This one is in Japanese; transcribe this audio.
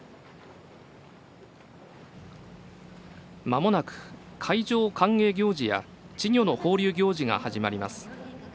まもなく、海上歓迎行事や稚魚の放流行事が始まります。